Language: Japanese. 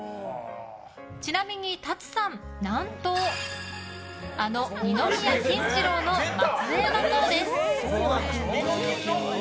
ちなみに、ＴＡＴＳＵさん何とあの二宮金次郎の末裔だそうです。